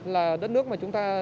là đất nước mà chúng ta